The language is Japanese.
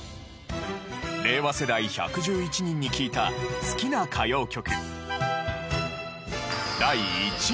令和世代１１１人に聞いた好きな歌謡曲。